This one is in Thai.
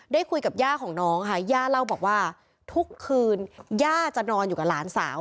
คุยกับย่าของน้องค่ะย่าเล่าบอกว่าทุกคืนย่าจะนอนอยู่กับหลานสาว